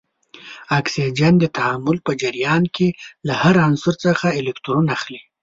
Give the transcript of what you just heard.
اکسیجن د تعامل په جریان کې له هر عنصر څخه الکترون اخلي.